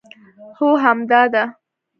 هو همدا ده